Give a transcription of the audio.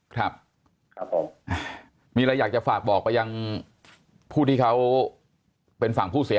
ครับครับผมมีอะไรอยากจะฝากบอกไปยังผู้ที่เขาเป็นฝั่งผู้เสีย